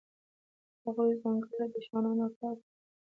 هغوی ځنګل له دښمنانو پاک کړ.